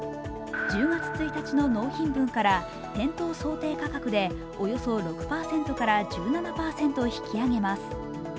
１０月１日の納品分から店頭想定価格でおよそ６％から１７％引き上げます。